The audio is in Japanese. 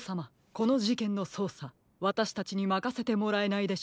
このじけんのそうさわたしたちにまかせてもらえないでしょうか？